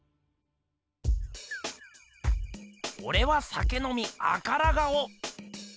オレは酒飲み赤ら顔。